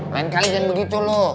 lain kali jangan begitu lo